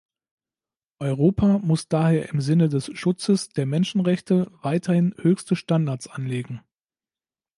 Europa muss daher im Sinne des Schutzes der Menschenrechte weiterhin höchste Standards anlegen.